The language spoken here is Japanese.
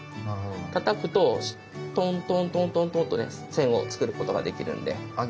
たたくとトントントントントンとね線を作ることができるんで。